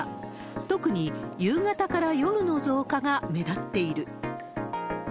特に夕方から夜の増加が目立っている。